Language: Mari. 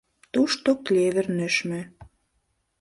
Тушто клевер нӧшмӧ.